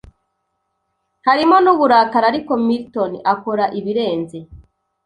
harimo n'uburakari ariko milton akora ibirenze